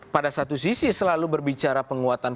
pada satu sisi selalu berbicara penguatan